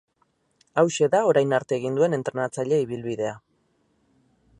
Hauxe da orain arte egin duen entrenatzaile ibilbidea.